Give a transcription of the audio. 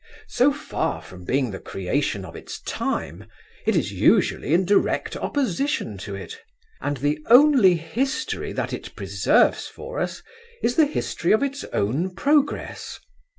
So far from being the creation of its time, it is usually in direct opposition to it, and the only history that it preserves for us is the history of its own progress.